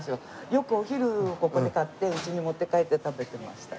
よくお昼ここで買ってうちに持って帰って食べてました。